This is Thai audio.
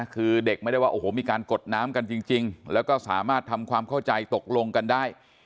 คือเด็กไม่ได้ว่าโอ้โหมีการกดน้ำกันจริงแล้วก็สามารถทำความเข้าใจตกลงกันได้